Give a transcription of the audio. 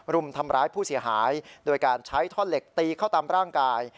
รุมทำร้ายผู้เสียหายโดยการใช้ท่อนเหล็กตีเข้าตามร่างกาย